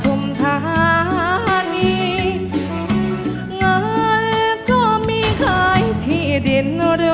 ตรงไหน